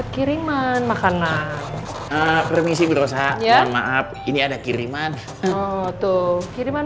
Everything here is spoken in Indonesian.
kiriman makanan permisi berusaha mohon maaf ini ada kiriman oh tuh kiriman